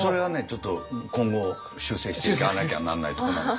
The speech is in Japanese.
ちょっと今後修正していかなきゃなんないとこなんですけども。